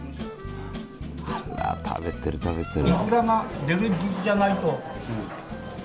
あら食べてる食べてる。